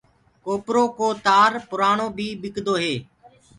ڪوپرو ڪو تآر پُرآڻو بي ٻِڪدو هي۔